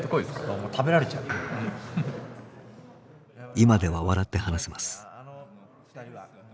今では笑って話せます。